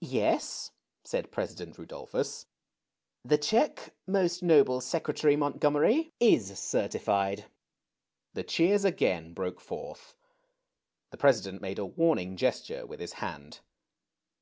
"Yes," said President Rudolphus, "the check, most Noble Secretary Montgomery, is certified." The cheers again broke forth. The President made a warning gesture with his hand.